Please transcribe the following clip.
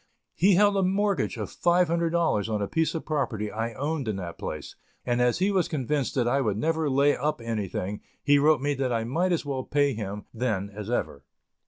He held a mortgage of five hundred dollars on a piece of property I owned in that place, and, as he was convinced that I would never lay up anything, he wrote me that I might as well pay him then as ever.